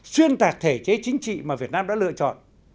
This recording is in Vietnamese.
xuyên tạc thể chế chính trị mà việt nam đã lựa chọn